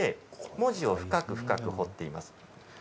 文字を深く深く彫っています。